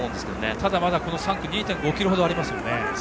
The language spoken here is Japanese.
ただ、３区はまだあと２．５ｋｍほどありますよね。